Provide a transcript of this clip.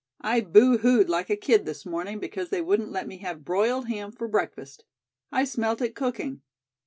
I boohooed like a kid this morning because they wouldn't let me have broiled ham for breakfast. I smelt it cooking.